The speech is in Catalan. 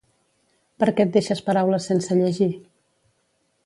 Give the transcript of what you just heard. Perquè et deixes paraules sense llegir?